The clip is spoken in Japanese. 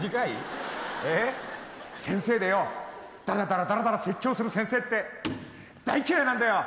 先生でよダラダラダラダラ説教する先生って大嫌いなんだよ。